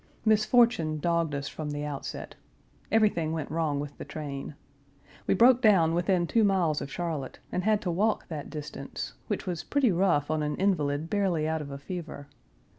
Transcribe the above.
Misfortune dogged us from the outset. Everything went wrong with the train. We broke down within two miles of Charlotte, and had to walk that distance; which was pretty rough on an invalid barely out of a fever.